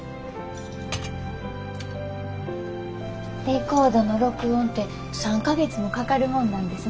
レコードの録音って３か月もかかるもんなんですね。